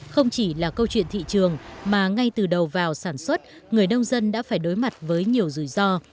không chỉ là câu chuyện thị trường mà ngay từ đầu vào sản xuất người nông dân đã phải đối mặt với nhiều rủi ro